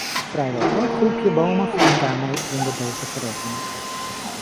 Vrijwel elk groepje bomen valt daarmee onder deze verordening.